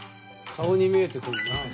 顔に見えてくるなあ。